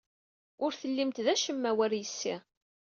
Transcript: Ur tellimt d acemma war yes-i.